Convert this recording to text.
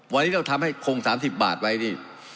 วันนี้เราทำให้คง๓๐บาทไว้นี่